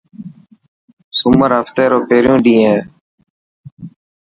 سومر هفتي رو پهريون ڏينهن هي.